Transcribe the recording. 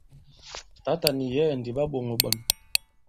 Tǎtà nì yɛ̌ɛ̀ ndi ɓa ɓōŋō ɓɔn.